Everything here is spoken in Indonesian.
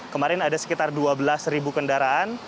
kemarin ada sekitar dua belas kendaraan